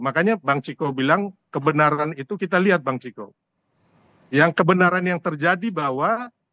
makanya bang ciko bilang kebenaran itu kita lihat bang ciko yang kebenaran yang terjadi bahwa